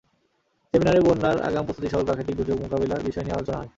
সেমিনারে বন্যার আগাম প্রস্তুতিসহ প্রাকৃতিক দুর্যোগ মোকাবিলার বিষয় নিয়ে আলোচনা হয়।